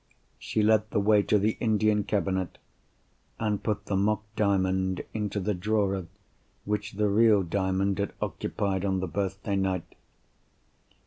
She led the way to the Indian cabinet, and put the mock Diamond into the drawer which the real Diamond had occupied on the birthday night.